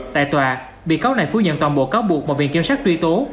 tại tòa bị cáo này phu nhận toàn bộ cáo buộc mà viện kiểm sát truy tố